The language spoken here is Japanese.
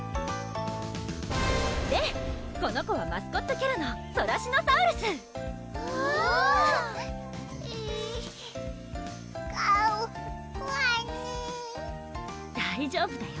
でこの子はマスコットキャラのソラシノサウルスおぉがおこあいね大丈夫だよ